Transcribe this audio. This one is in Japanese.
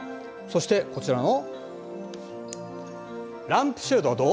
そしてこちらのランプシェードはどう？